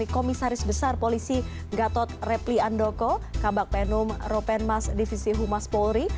komisaris besar polisi gatot repli andoko kabak penum ropenmas divisi humas polri